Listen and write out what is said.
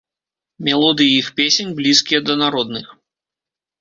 Мелодыі іх песень блізкія да народных.